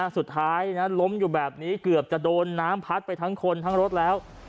สุดท้ายล้มอยู่แบบนี้เกือบจะโดนน้ำพัดไปทั้งคนทั้งรถแล้ว